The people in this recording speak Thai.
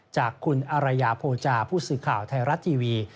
จากคุณอารยาโภจาผู้สื่อข่าวไทยรัฐทีวี